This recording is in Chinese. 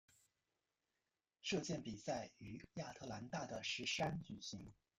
射箭比赛于亚特兰大的石山举行。